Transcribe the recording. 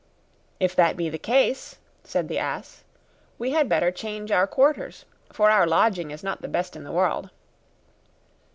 'If that be the case,' said the ass, 'we had better change our quarters, for our lodging is not the best in the world!